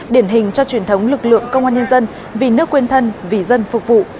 điển hình cho truyền thống lực lượng công an nhân dân vì nước quên thân vì dân phục vụ